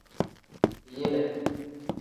Yile.